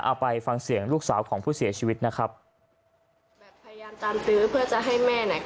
เอาไปฟังเสียงลูกสาวของผู้เสียชีวิตนะครับแบบพยายามตามตื้อเพื่อจะให้แม่เนี้ย